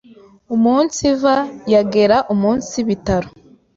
umunsiva yagera umunsi Bitaro